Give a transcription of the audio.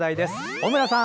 小村さん。